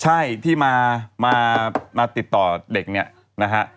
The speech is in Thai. ใช่ที่มาติดต่อเด็กเนี่ยนะฮะ